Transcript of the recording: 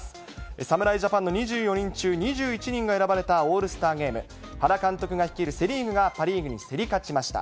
侍ジャパンの２４人中２１人が選ばれたオールスターゲーム、原監督が率いるセ・リーグが、パ・リーグに競り勝ちました。